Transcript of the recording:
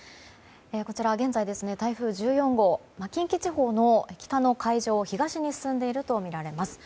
現在の台風１４号近畿地方の北の海上を東に進んでいるとみられます。